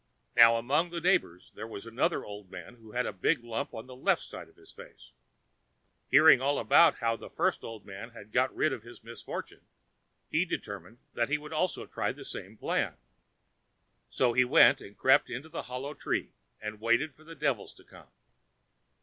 Now, among the neighbors there was another old man who had a big lump on the left side of his face. Hearing all about how the first old man had got rid of his misfortune, he determined that he would also try the same plan. So he went and crept into the hollow tree, and waited for the devils to come.